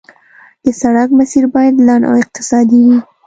د سړک مسیر باید لنډ او اقتصادي وي